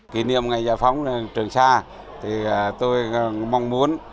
kỷ niệm ngày giải phóng trường sa thì tôi mong muốn